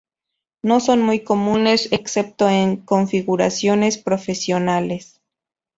No son muy comunes excepto en configuraciones profesionales.